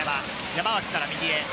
山脇から右へ。